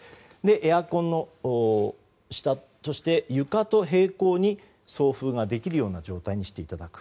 エアコンの下として床と並行に送風ができる状態にしていただく。